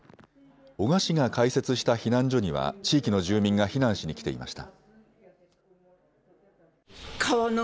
男鹿市が開設した避難所には地域の住民が避難しに来ていました。